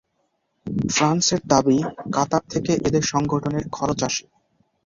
ফ্রান্সের দাবি, কাতার থেকে এদের সংগঠনের খরচ আসে।